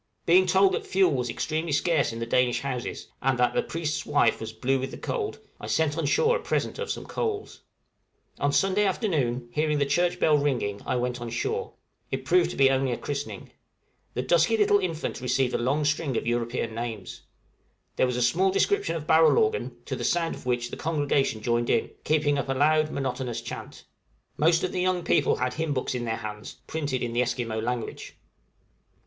Being told that fuel was extremely scarce in the Danish houses, and that "the priest's wife was blue with the cold," I sent on shore a present of some coals. On Sunday afternoon, hearing the church bell ringing I went on shore. It proved to be only a christening. The little dusky infant received a long string of European names. There was a small description of barrel organ, to the sound of which the congregation joined in, keeping up a loud monotonous chant. Most of the young people had hymn books in their hands, printed in the Esquimaux language.